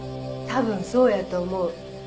多分そうやと思う。